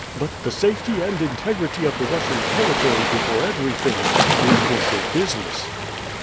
"But the safety and integrity of the Russian territory before everything. Business is business."